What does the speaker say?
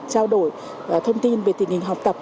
trao đổi thông tin về tình hình học tập